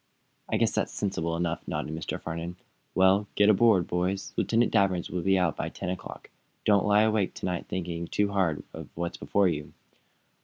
"I guess that's sensible enough," nodded Mr. Farnum. "Well, get aboard, boys. Lieutenant Danvers will be out by ten o'clock. Don't lie awake to night, thinking too hard of what's before you."